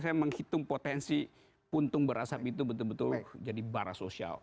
saya menghitung potensi puntung berasap itu betul betul jadi bara sosial